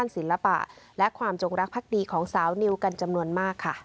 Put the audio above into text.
สวัสดีครับ